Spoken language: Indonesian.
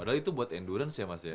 padahal itu buat endurance ya mas ya